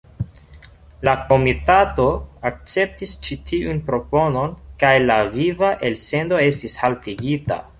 La komitato akceptis ĉi tiun proponon kaj la viva elsendo estis haltigita.